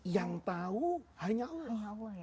yang tahu hanya allah